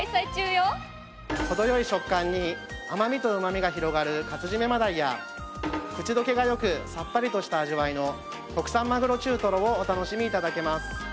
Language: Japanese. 程良い食感に甘みとうまみが広がる活〆真鯛や口どけが良くさっぱりとした味わいの国産鮪中とろをお楽しみ頂けます。